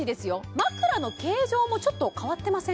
枕の形状もちょっと変わってません？